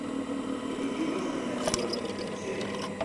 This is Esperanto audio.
Ili vivis en la frua kretaceo.